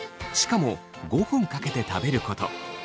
しかも５分かけて食べること。